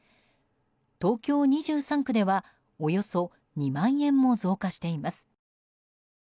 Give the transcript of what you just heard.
東京２３区ではおよそ２万円も増加しています。